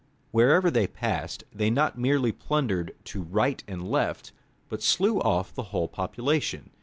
Wherever they passed they not merely plundered to right and left, but slew off the whole population.